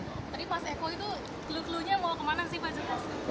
tapi pas eko itu klunya mau kemana sih pak